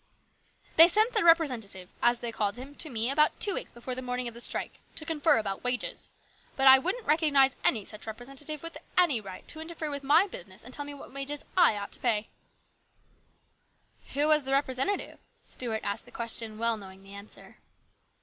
" They sent their representative, as they called him, to me, about two weeks before the morning of the strike, to confer about wages, but I wouldn't recognise any such representative with any right to interfere with my business and tell me what wages I ought to pay." 86 HIS BROTHER'S KEEPER. " Who was the representative ?" Stuart asked the question, well knowing the answer.